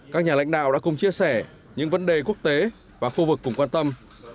các nhà lãnh đạo đã cùng chia sẻ những vấn đề quốc tế và khu vực cùng quan tâm